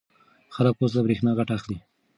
خلک اوس له برېښنا ګټه اخلي.